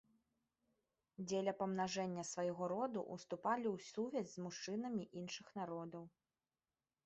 Дзеля памнажэння свайго роду ўступалі ў сувязь з мужчынамі іншых народаў.